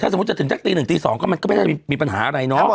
สมมุติจะถึงสักตีหนึ่งตี๒ก็มันก็ไม่ได้มีปัญหาอะไรเนาะ